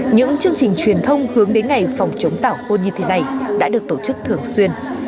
những chương trình truyền thông hướng đến ngày phòng chống tảo hôn như thế này đã được tổ chức thường xuyên